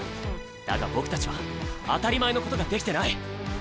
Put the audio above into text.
だが僕たちは当たり前のことができてない。